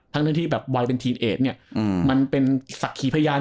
ทั้งที่แบบวัยเป็นเทีนแอสเนี่ยอืมมันเป็นสักขีพยารณ